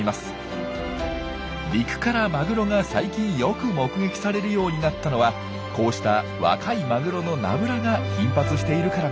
陸からマグロが最近よく目撃されるようになったのはこうした若いマグロのナブラが頻発しているからなんです。